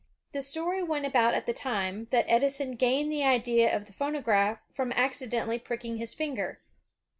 The story went about at the time, that Edison gained the idea of the phonograph from accidentally pricking his finger.